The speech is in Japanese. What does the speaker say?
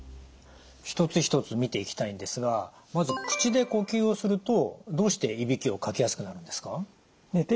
一つ一つ見ていきたいんですがまず口で呼吸をするとどうしていびきをかきやすくなるんですか？